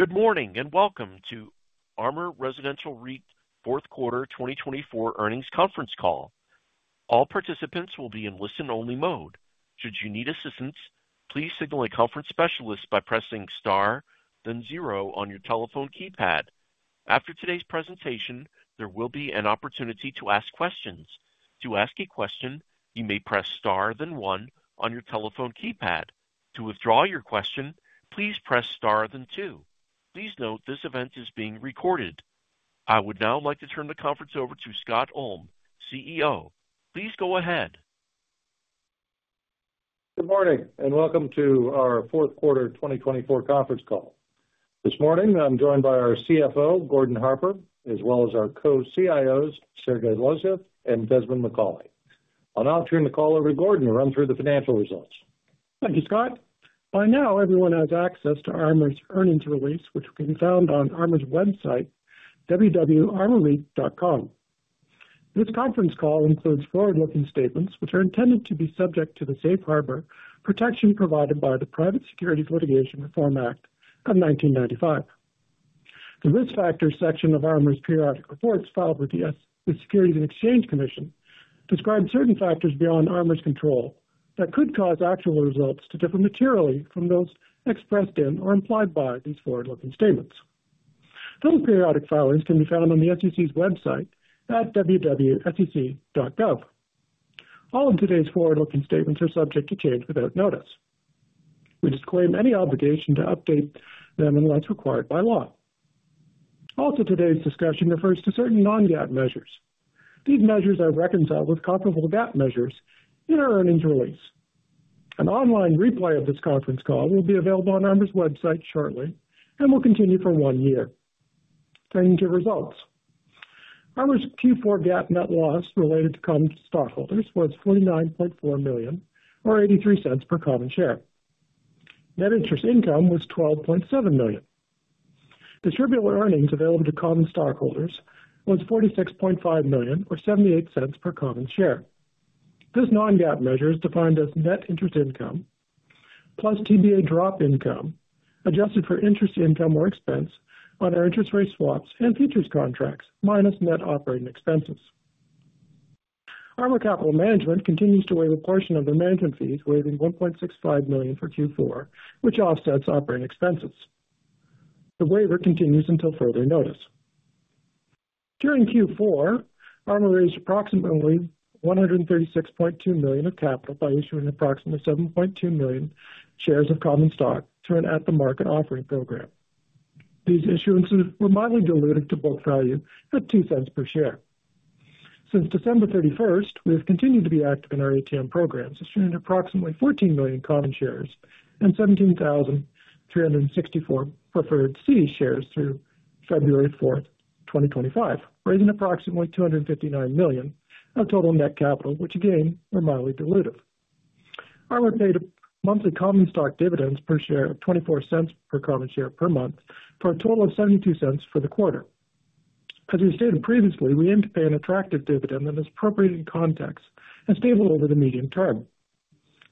Good morning and welcome to ARMOUR Residential REIT 4th Quarter 2024 earnings conference call. All participants will be in listen-only mode. Should you need assistance, please signal a conference specialist by pressing star, then zero on your telephone keypad. After today's presentation, there will be an opportunity to ask questions. To ask a question, you may press star, then one on your telephone keypad. To withdraw your question, please press star, then two. Please note this event is being recorded. I would now like to turn the conference over to Scott Ulm, CEO. Please go ahead. Good morning and welcome to our 4th Quarter 2024 conference call. This morning, I'm joined by our CFO, Gordon Harper, as well as our Co-CIOs, Sergey Losyev and Desmond Macauley. I'll now turn the call over to Gordon to run through the financial results. Thank you, Scott. By now, everyone has access to ARMOUR's earnings release, which can be found on ARMOUR's website, www.armourreit.com. This conference call includes forward-looking statements, which are intended to be subject to the safe harbor protection provided by the Private Securities Litigation Reform Act of 1995. The risk factors section of ARMOUR's periodic reports filed with the Securities and Exchange Commission describe certain factors beyond ARMOUR's control that could cause actual results to differ materially from those expressed in or implied by these forward-looking statements. Those periodic filings can be found on the SEC's website at www.sec.gov. All of today's forward-looking statements are subject to change without notice. We disclaim any obligation to update them unless required by law. Also, today's discussion refers to certain non-gap measures. These measures are reconciled with comparable gap measures in our earnings release. An online replay of this conference call will be available on ARMOUR's website shortly and will continue for one year. Turning to results, ARMOUR's Q4 gap net loss related to common stockholders was $49.4 million or $0.83 per common share. Net interest income was $12.7 million. Distributed earnings available to common stockholders was $46.5 million or $0.78 per common share. This non-gap measure is defined as net interest income plus TBA drop income adjusted for interest income or expense on our interest rate swaps and futures contracts minus net operating expenses. ARMOUR Capital Management continues to waive a portion of their management fees, waiving $1.65 million for Q4, which offsets operating expenses. The waiver continues until further notice. During Q4, ARMOUR raised approximately $136.2 million of capital by issuing approximately 7.2 million shares of common stock through an at-the-market offering program. These issuances were mildly diluted to book value at $0.02 per share. Since December 31st, we have continued to be active in our ATM programs, issuing approximately $14 million common shares and 17,364 preferred C shares through February 4th, 2025, raising approximately $259 million of total net capital, which again were mildly diluted. ARMOUR paid a monthly common stock dividends per share of $0.24 per common share per month for a total of $0.72 for the quarter. As we stated previously, we aim to pay an attractive dividend that is appropriate in context and stable over the medium term.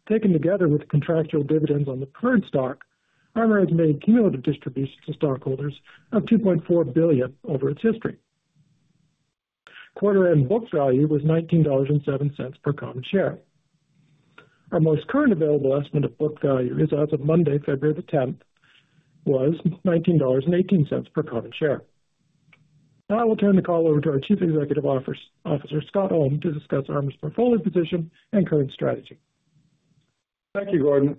Taken together with contractual dividends on the current stock, ARMOUR has made cumulative distributions to stockholders of $2.4 billion over its history. Quarter-end book value was $19.07 per common share. Our most current available estimate of book value is as of Monday, February the 10th, was $19.18 per common share. Now I will turn the call over to our Chief Executive Officer, Scott Ulm, to discuss ARMOUR's portfolio position and current strategy. Thank you, Gordon.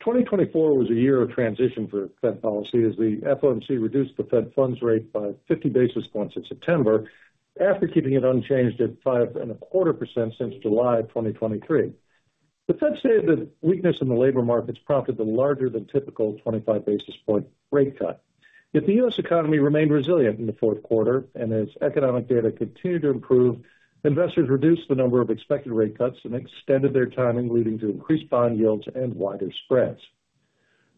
2024 was a year of transition for the Fed policy as the FOMC reduced the Fed funds rate by 50 basis points in September after keeping it unchanged at 5.25% since July 2023. The Fed stated that weakness in the labor markets prompted the larger than typical 25 basis point rate cut. Yet the U.S. economy remained resilient in the fourth quarter, and as economic data continued to improve, investors reduced the number of expected rate cuts and extended their timing, leading to increased bond yields and wider spreads.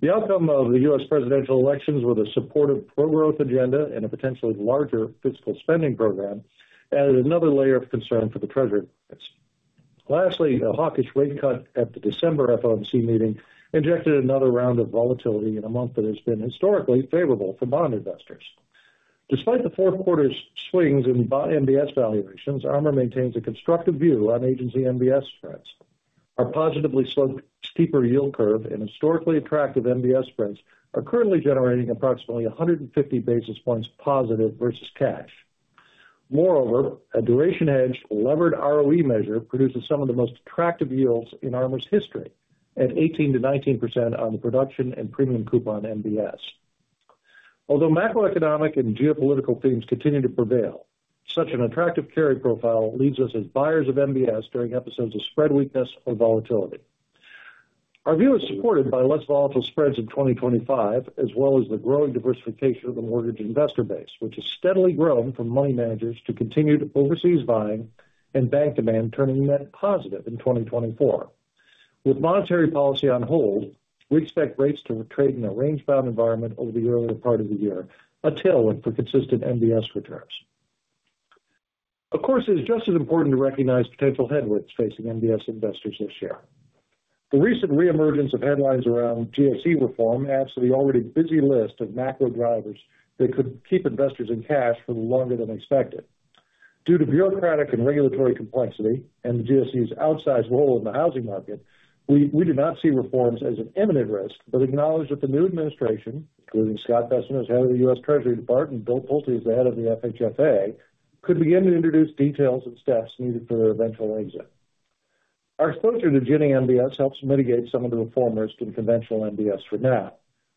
The outcome of the U.S. presidential elections, with a supportive pro-growth agenda and a potentially larger fiscal spending program, added another layer of concern for the Treasury markets. Lastly, a hawkish rate cut at the December FOMC meeting injected another round of volatility in a month that has been historically favorable for bond investors. Despite the fourth quarter's swings in bond MBS valuations, ARMOUR maintains a constructive view on agency MBS spreads. Our positively sloped steeper yield curve and historically attractive MBS spreads are currently generating approximately 150 basis points positive versus cash. Moreover, a duration-hedged levered ROE measure produces some of the most attractive yields in ARMOUR's history at 18%-19% on the production and premium coupon MBS. Although macroeconomic and geopolitical themes continue to prevail, such an attractive carry profile leaves us as buyers of MBS during episodes of spread weakness or volatility. Our view is supported by less volatile spreads in 2025, as well as the growing diversification of the mortgage investor base, which has steadily grown from money managers to continued overseas buying and bank demand turning net positive in 2024. With monetary policy on hold, we expect rates to trade in a range-bound environment over the earlier part of the year, a tailwind for consistent MBS returns. Of course, it is just as important to recognize potential headwinds facing MBS investors this year. The recent re-emergence of headlines around GSE reform adds to the already busy list of macro drivers that could keep investors in cash for longer than expected. Due to bureaucratic and regulatory complexity and the GSE's outsized role in the housing market, we do not see reforms as an imminent risk, but acknowledge that the new administration, including Scott Bessent as head of the U.S. Department of the Treasury and Bill Pulte as the head of the FHFA, could begin to introduce details and steps needed for their eventual exit. Our exposure to Ginnie Mae MBS helps mitigate some of the reform risk in conventional MBS for now,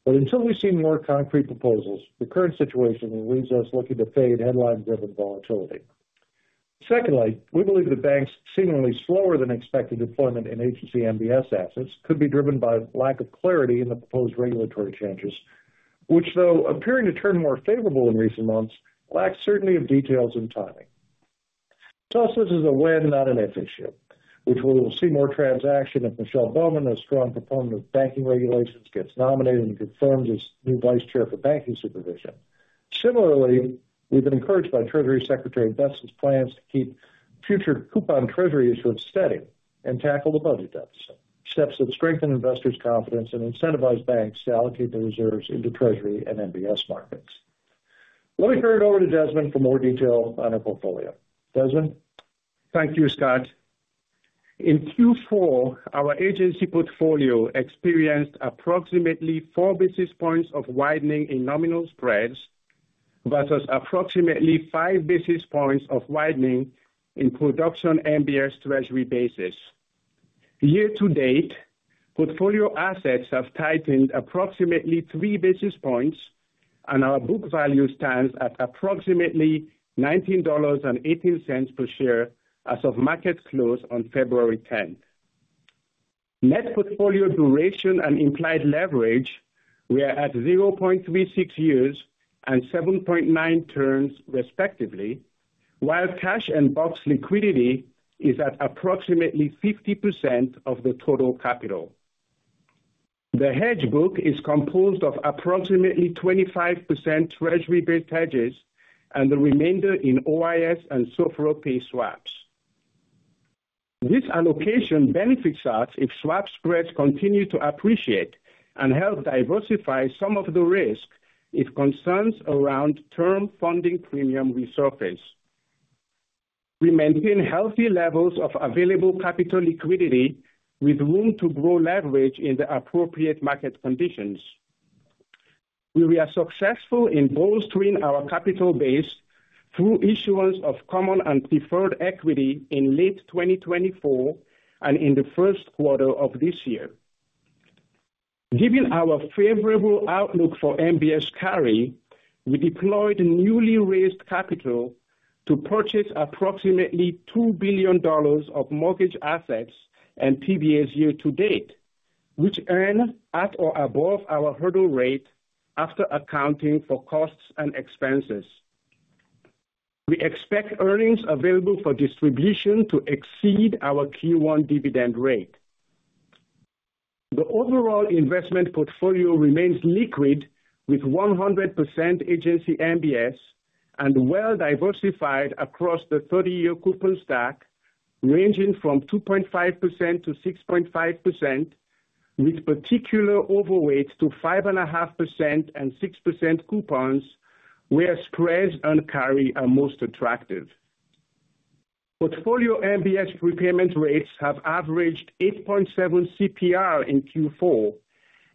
but until we see more concrete proposals, the current situation leaves us looking to fade headline-driven volatility. Secondly, we believe that banks' seemingly slower-than-expected deployment in agency MBS assets could be driven by lack of clarity in the proposed regulatory changes, which, though appearing to turn more favorable in recent months, lack certainty of details and timing. To us, this is a when, not an if issue, which we will see more transactions if Michelle Bowman, a strong proponent of banking regulations, gets nominated and confirmed as new Vice Chair for banking supervision. Similarly, we've been encouraged by Treasury Secretary Bessent's plans to keep future coupon treasury issuance steady and tackle the budget deficit, steps that strengthen investors' confidence and incentivize banks to allocate their reserves into Treasury and MBS markets. Let me turn it over to Desmond for more detail on our portfolio. Desmond. Thank you, Scott. In Q4, our agency portfolio experienced approximately four basis points of widening in nominal spreads versus approximately five basis points of widening in production MBS treasury bases. Year-to-date, portfolio assets have tightened approximately three basis points, and our book value stands at approximately $19.18 per share as of market close on February 10th. Net portfolio duration and implied leverage were at 0.36 years and 7.9 turns, respectively, while cash and box liquidity is at approximately 50% of the total capital. The hedge book is composed of approximately 25% treasury-based hedges and the remainder in OIS and SOFR swaps. This allocation benefits us if swap spreads continue to appreciate and help diversify some of the risk if concerns around term funding premium resurface. We maintain healthy levels of available capital liquidity with room to grow leverage in the appropriate market conditions. We were successful in bolstering our capital base through issuance of common and preferred equity in late 2024 and in the first quarter of this year. Given our favorable outlook for MBS carry, we deployed newly raised capital to purchase approximately $2 billion of mortgage assets and TBAs year-to-date, which earn at or above our hurdle rate after accounting for costs and expenses. We expect earnings available for distribution to exceed our Q1 dividend rate. The overall investment portfolio remains liquid with 100% agency MBS and well-diversified across the 30-year coupon stack, ranging from 2.5%-6.5%, with particular overweight to 5.5% and 6% coupons where spreads and carry are most attractive. Portfolio MBS prepayment rates have averaged 8.7 CPR in Q4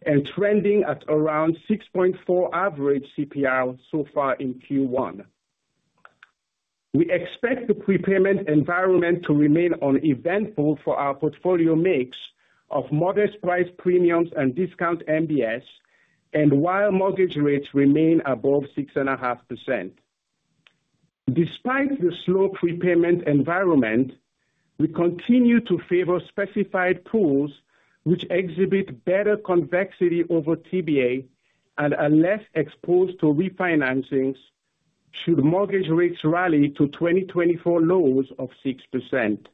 and trending at around 6.4 average CPR so far in Q1. We expect the prepayment environment to remain uneventful for our portfolio mix of modest price premiums and discount MBS, and while mortgage rates remain above 6.5%. Despite the slow prepayment environment, we continue to favor specified pools which exhibit better convexity over TBA and are less exposed to re-financings should mortgage rates rally to 2024 lows of 6%.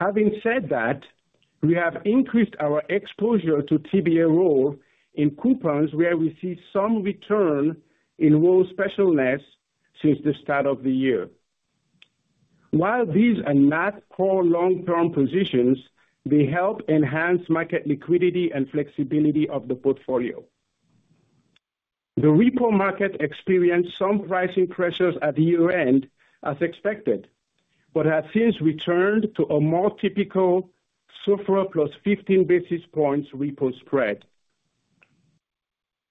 Having said that, we have increased our exposure to TBA roll in coupons where we see some return in roll specialness since the start of the year. While these are not core long-term positions, they help enhance market liquidity and flexibility of the portfolio. The repo market experienced some pricing pressures at year-end, as expected, but has since returned to a more typical SOFR plus 15 basis points repo spread.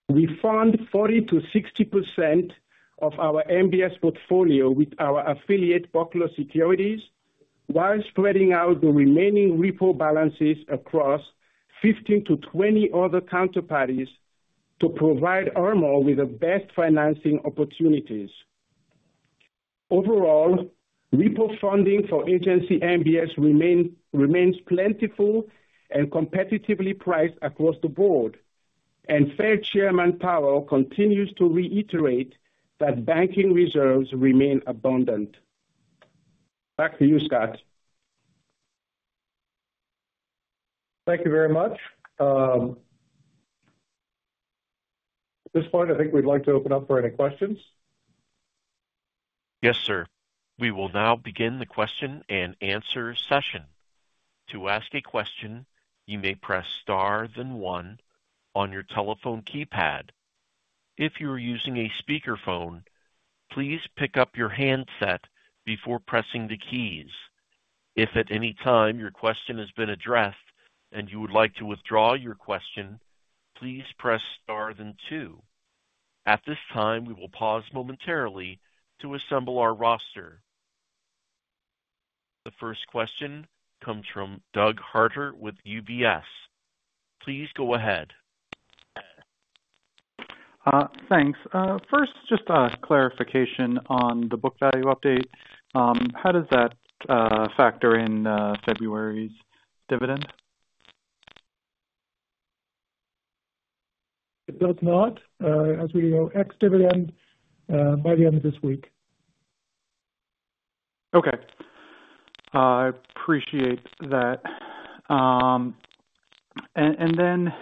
We fund 40%-60% of our MBS portfolio with our affiliate Buckler Securities while spreading out the remaining repo balances across 15-20 other counterparties to provide ARMOUR with the best financing opportunities. Overall, repo funding for agency MBS remains plentiful and competitively priced across the board, and Fed Chairman Powell continues to reiterate that banking reserves remain abundant. Back to you, Scott. Thank you very much. At this point, I think we'd like to open up for any questions. Yes, sir. We will now begin the question and answer session. To ask a question, you may press star then one on your telephone keypad. If you are using a speaker-phone, please pick up your handset before pressing the keys. If at any time your question has been addressed and you would like to withdraw your question, please press star then two. At this time, we will pause momentarily to assemble our roster. The first question comes from Doug Harter with UBS. Please go ahead. Thanks. First, just a clarification on the book value update. How does that factor in February's dividend? It does not. As we know, ex-dividend by the end of this week. Okay. I appreciate that. And then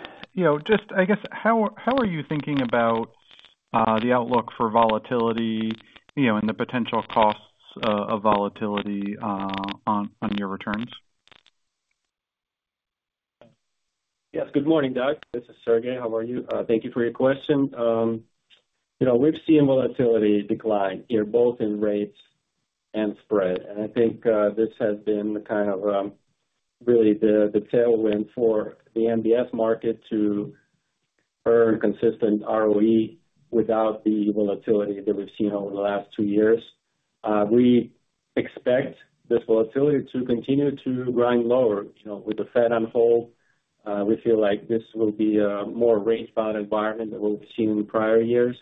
just, I guess, how are you thinking about the outlook for volatility and the potential costs of volatility on your returns? Yes. Good morning, Doug. This is Sergey. How are you? Thank you for your question. We've seen volatility decline here, both in rates and spread. And I think this has been the kind of really the tailwind for the MBS market to earn consistent ROE without the volatility that we've seen over the last two years. We expect this volatility to continue to grind lower. With the Fed on hold, we feel like this will be a more range-bound environment than we've seen in prior years.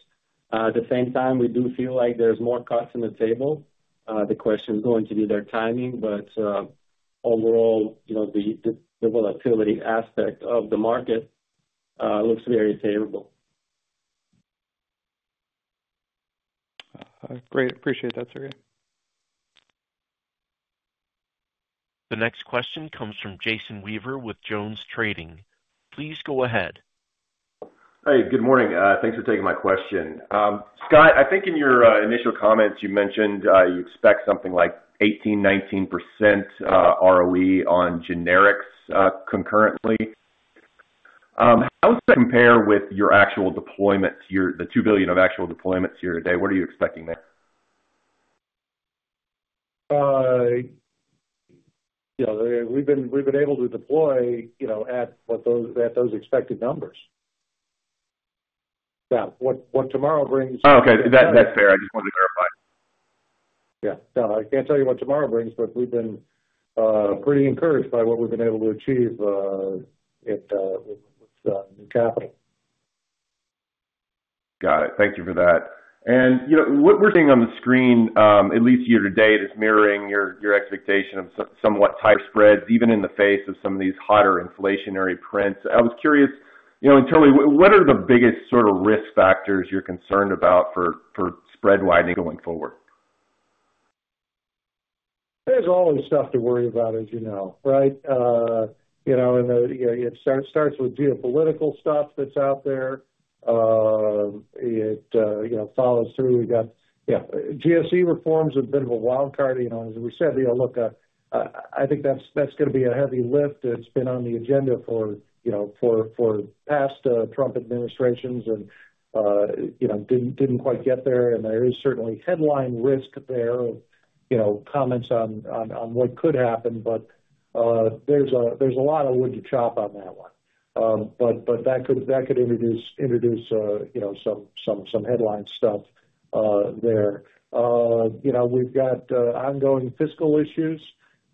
At the same time, we do feel like there's more cuts on the table. The question is going to be their timing, but overall, the volatility aspect of the market looks very favorable. Great. Appreciate that, Sergey. The next question comes from Jason Weaver with Jones Trading. Please go ahead. Hi. Good morning. Thanks for taking my question. Scott, I think in your initial comments, you mentioned you expect something like 18%, 19% ROE on generics concurrently. How does that compare with your actual deployments, the $2 billion of actual deployments here today? What are you expecting there? We've been able to deploy at those expected numbers. Now, what tomorrow brings? Oh, okay. That's fair. I just wanted to clarify. Yeah. No, I can't tell you what tomorrow brings, but we've been pretty encouraged by what we've been able to achieve with capital. Got it. Thank you for that. And what we're seeing on the screen, at least year-to-date, is mirroring your expectation of somewhat tighter spreads, even in the face of some of these hotter inflationary prints. I was curious, internally, what are the biggest sort of risk factors you're concerned about for spread widening going forward? There's always stuff to worry about, as you know, right? And it starts with geopolitical stuff that's out there. It follows through. We've got, yeah, GSE reforms have been a wildcard. As we said, I think that's going to be a heavy lift. It's been on the agenda for past Trump administrations and didn't quite get there. And there is certainly headline risk there of comments on what could happen, but there's a lot of wood to chop on that one. But that could introduce some headline stuff there. We've got ongoing fiscal issues,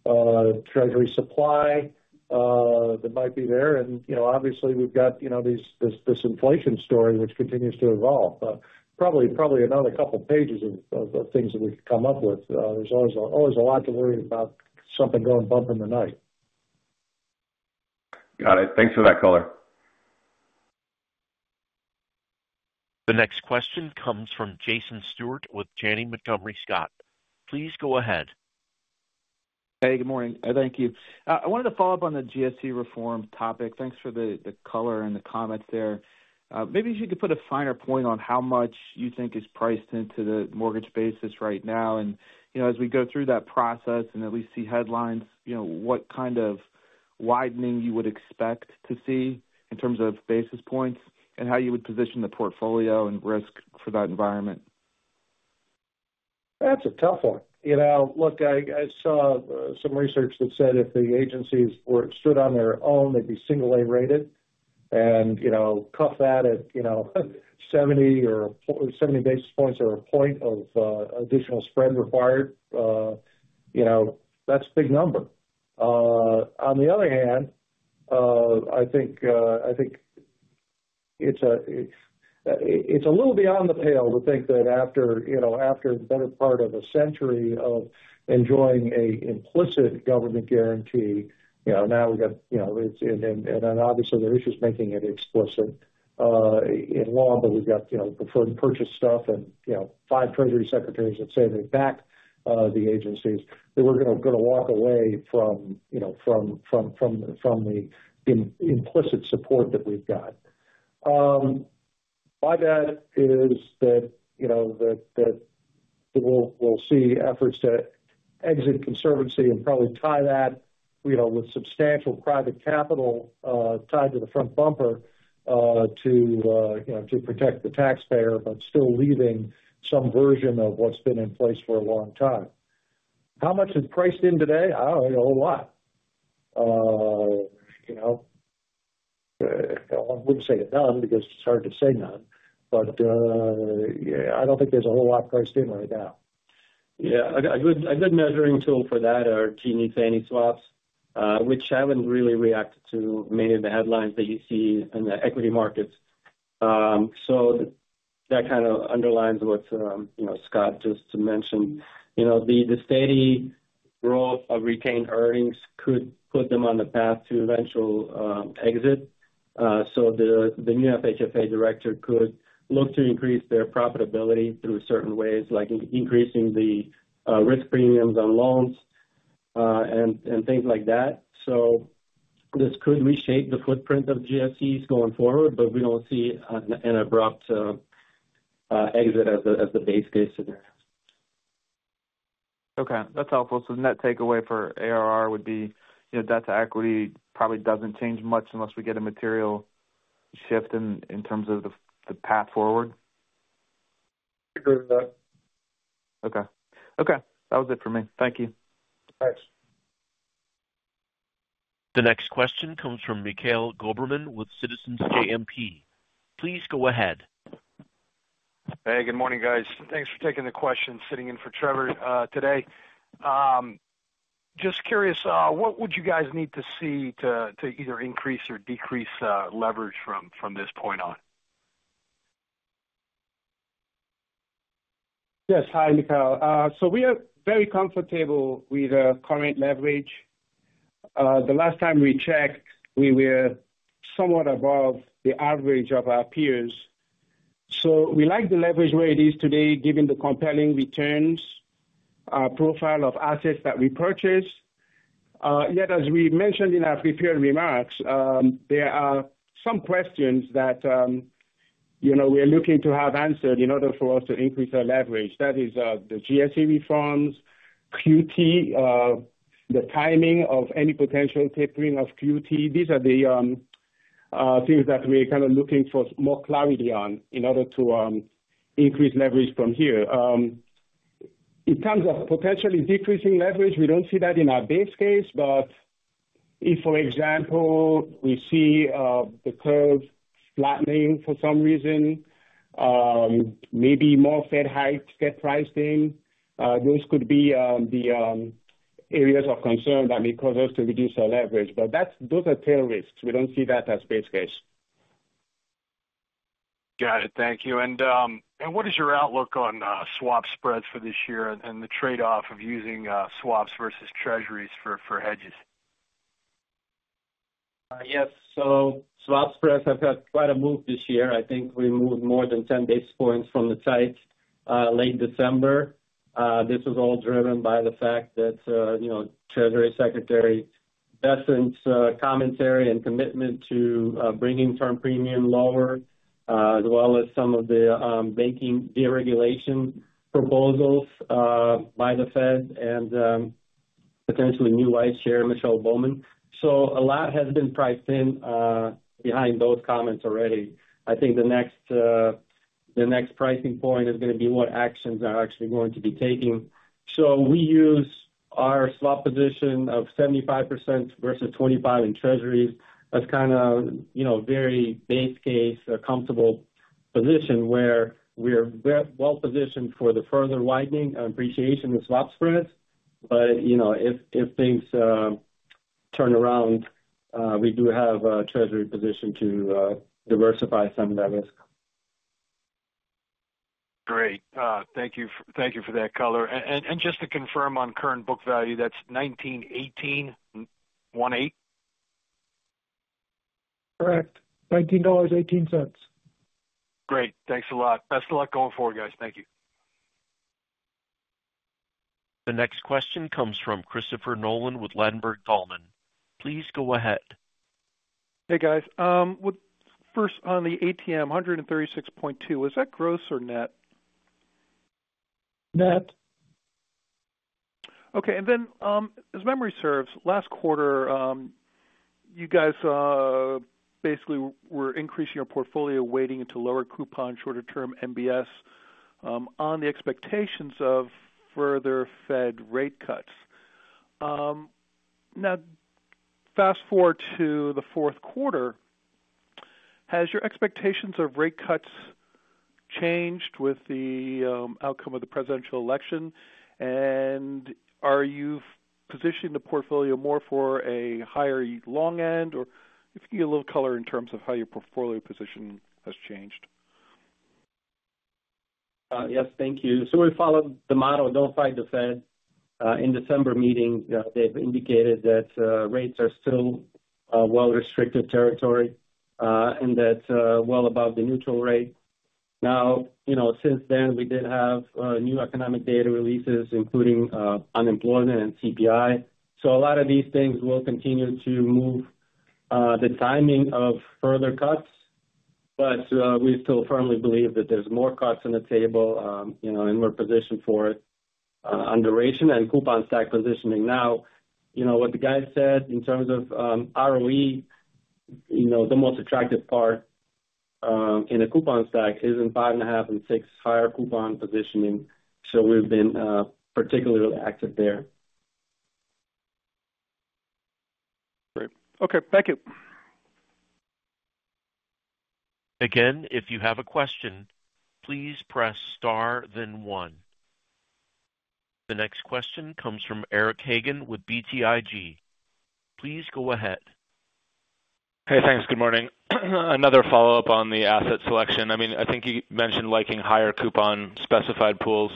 treasury supply that might be there. And obviously, we've got this inflation story which continues to evolve. Probably another couple of pages of things that we could come up with. There's always a lot to worry about, something going bump in the night. Got it. Thanks for that, color. The next question comes from Jason Stewart with Janney Montgomery Scott. Please go ahead. Hey, good morning. Thank you. I wanted to follow up on the GSE reform topic. Thanks for the color and the comments there. Maybe if you could put a finer point on how much you think is priced into the mortgage basis right now, and as we go through that process and at least see headlines, what kind of widening you would expect to see in terms of basis points and how you would position the portfolio and risk for that environment? That's a tough one. Look, I saw some research that said if the agencies stood on their own, they'd be single-A rated and cap that at 70 or 70 basis points or a point of additional spread required. That's a big number. On the other hand, I think it's a little beyond the pale to think that after the better part of a century of enjoying an implicit government guarantee, now we've got - and obviously, there is just making it explicit in law, but we've got preferred stock stuff and five treasury secretaries that say they back the agencies - that we're going to walk away from the implicit support that we've got. My bet is that we'll see efforts to exit conservatorship and probably tie that with substantial private capital tied to the front end to protect the taxpayer, but still leaving some version of what's been in place for a long time. How much is priced in today? Oh, a whole lot. I wouldn't say none, because it's hard to say none. But I don't think there's a whole lot priced in right now. Yeah. A good measuring tool for that are Ginnie Mae swaps, which haven't really reacted to many of the headlines that you see in the equity markets. So that kind of underlines what Scott just mentioned. The steady growth of retained earnings could put them on the path to eventual exit. So the new FHFA director could look to increase their profitability through certain ways, like increasing the risk premiums on loans and things like that. This could reshape the footprint of GSEs going forward, but we don't see an abrupt exit as the base case scenario. Okay. That's helpful. So the net takeaway for ARR would be debt to equity probably doesn't change much unless we get a material shift in terms of the path forward. Agree with that. Okay. Okay. That was it for me. Thank you. Thanks. The next question comes from Mikhail Goberman with Citizens JMP. Please go ahead. Hey, good morning, guys. Thanks for taking the question. Sitting in for Trevor today. Just curious, what would you guys need to see to either increase or decrease leverage from this point on? Yes. Hi, Mikhail. So we are very comfortable with current leverage. The last time we checked, we were somewhat above the average of our peers. So we like the leverage where it is today, given the compelling returns profile of assets that we purchased. Yet, as we mentioned in our prepared remarks, there are some questions that we're looking to have answered in order for us to increase our leverage. That is the GSE reforms, QT, the timing of any potential tapering of QT. These are the things that we're kind of looking for more clarity on in order to increase leverage from here. In terms of potentially decreasing leverage, we don't see that in our base case, but if, for example, we see the curve flattening for some reason, maybe more Fed hikes, Fed pricing, those could be the areas of concern that may cause us to reduce our leverage. But those are tail risks. We don't see that as base case. Got it. Thank you. And what is your outlook on swap spreads for this year and the trade-off of using swaps versus Treasuries for hedges? Yes. So swap spreads have had quite a move this year. I think we moved more than 10 basis points from the tight late December. This was all driven by the fact that Treasury Secretary Bessent's commentary and commitment to bringing term premium lower, as well as some of the banking deregulation proposals by the Fed and potentially new Vice Chair, Michelle Bowman. So a lot has been priced in behind those comments already. I think the next pricing point is going to be what actions are actually going to be taken. So we use our swap position of 75% versus 25% in treasuries. That's kind of a very base case, comfortable position where we're well positioned for the further widening and appreciation of swap spreads. But if things turn around, we do have a treasury position to diversify some of that risk. Great. Thank you for that, caller. And just to confirm on current book value, that's $19.18? Correct. $19.18. Great. Thanks a lot. Best of luck going forward, guys. Thank you. The next question comes from Christopher Nolan with Ladenburg Thalmann. Please go ahead. Hey, guys. First, on the ATM, $136.2. Is that gross or net? Net. Okay, and then, as memory serves, last quarter, you guys basically were increasing your portfolio, waiting to lower coupons, shorter-term MBS, on the expectations of further Fed rate cuts. Now, fast forward to the fourth quarter. Has your expectations of rate cuts changed with the outcome of the presidential election? And are you positioning the portfolio more for a higher long end, or if you can give a little color in terms of how your portfolio position has changed. Yes. Thank you. So we followed the model, notified the Fed. In the December meeting, they've indicated that rates are still well into restrictive territory and that well above the neutral rate. Now, since then, we did have new economic data releases, including unemployment and CPI. So a lot of these things will continue to move the timing of further cuts, but we still firmly believe that there's more cuts on the table and we're positioned for it on duration and coupon stack positioning. Now, what the guys said in terms of ROE, the most attractive part in a coupon stack is in five and a half and six higher coupon positioning. So we've been particularly active there. Great. Okay. Thank you. Again, if you have a question, please press star, then one. The next question comes from Eric Hagen with BTIG. Please go ahead. Hey, thanks. Good morning. Another follow-up on the asset selection. I mean, I think you mentioned liking higher coupon specified pools.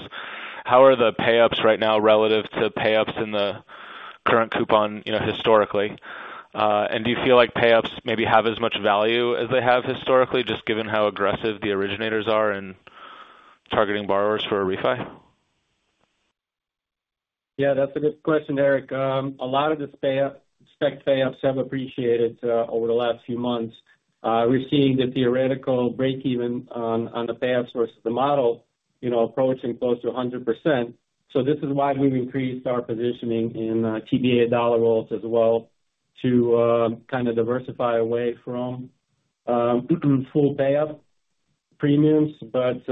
How are the pay-ups right now relative to pay-ups in the current coupon historically? And do you feel like pay-ups maybe have as much value as they have historically, just given how aggressive the originators are in targeting borrowers for a refi? Yeah, that's a good question, Eric. A lot of the spec pay-ups have appreciated over the last few months. We're seeing the theoretical break-even on the pay-ups versus the model approaching close to 100%. So this is why we've increased our positioning in TBA dollar rolls as well to kind of diversify away from full pay-up premiums. But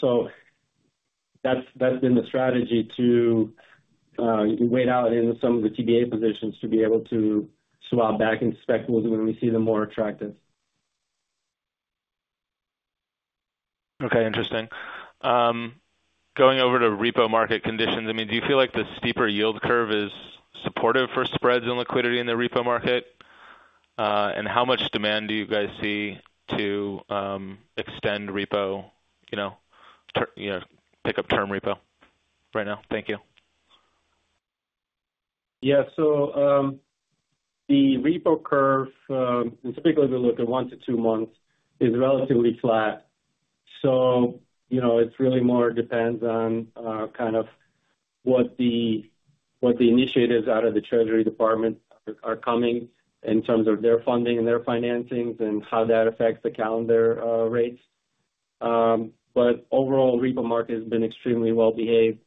so that's been the strategy to wait out in some of the TBA positions to be able to swap back into spec pools when we see them more attractive. Okay. Interesting. Going over to repo market conditions, I mean, do you feel like the steeper yield curve is supportive for spreads and liquidity in the repo market? And how much demand do you guys see to extend repo, pick up term repo right now? Thank you. Yeah. So the repo curve, and typically we look at one to two months, is relatively flat. So it really more depends on kind of what the initiatives out of the Treasury Department are coming in terms of their funding and their financings and how that affects the calendar rates. But overall, repo market has been extremely well-behaved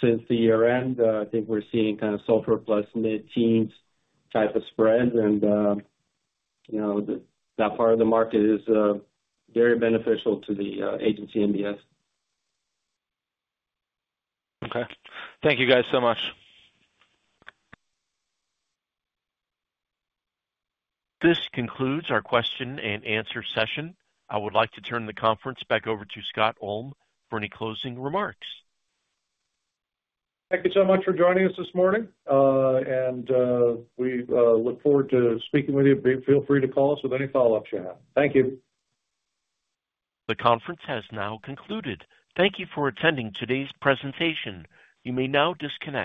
since the year-end. I think we're seeing kind of SOFR plus mid-teens type of spreads. And that part of the market is very beneficial to the agency MBS. Okay. Thank you guys so much. This concludes our question and answer session. I would like to turn the conference back over to Scott Ulm for any closing remarks. Thank you so much for joining us this morning, and we look forward to speaking with you. Feel free to call us with any follow-ups you have. Thank you. The conference has now concluded. Thank you for attending today's presentation. You may now disconnect.